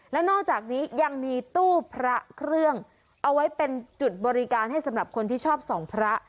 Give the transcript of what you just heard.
และนอกจากนี้ยังมีตู้พระเครื่องเอาไว้เป็นจุดบริการให้สำหรับคนที่ชอบส่องพระ